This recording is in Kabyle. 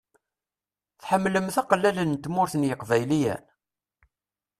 Tḥemmlemt aqellal n Tmurt n yeqbayliyen?